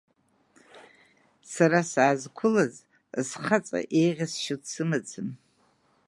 Сара саазқәылаз схаҵа еиӷьасшьо дсымаӡам.